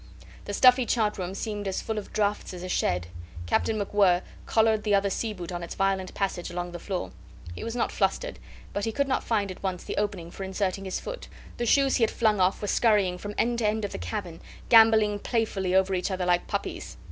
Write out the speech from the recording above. The stuffy chart room seemed as full of draughts as a shed. Captain MacWhirr collared the other sea boot on its violent passage along the floor. He was not flustered, but he could not find at once the opening for inserting his foot. The shoes he had flung off were scurrying from end to end of the cabin, gambolling playfully over each other like puppies.